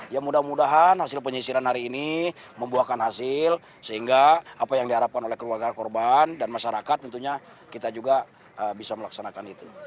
ya mudah mudahan hasil penyisiran hari ini membuahkan hasil sehingga apa yang diharapkan oleh keluarga korban dan masyarakat tentunya kita juga bisa melaksanakan itu